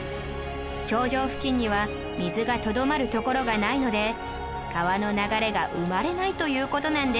頂上付近には水がとどまる所がないので川の流れが生まれないという事なんです